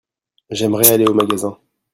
J'aimerais aller au magasin.